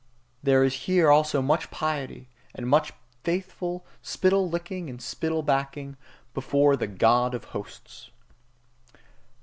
There is here also much piety, and much faithful spittle licking and spittle backing, before the God of Hosts.